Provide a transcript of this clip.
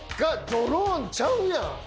ドローンちゃうやん！